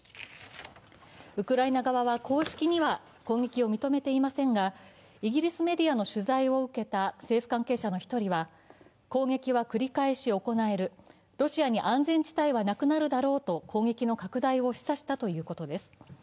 ウクライナ側は公式には攻撃を認めていませんがイギリスメディアの取材を受けた政府関係者の１人は攻撃は繰り返し行える、ロシアに安全地帯はなくなるだろうと攻撃の拡大を示唆したということです。